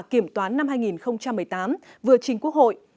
kiểm toán năm hai nghìn một mươi tám vừa trình quốc hội